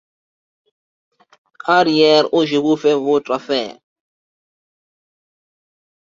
Arrière, ou je vous fais votre affaire !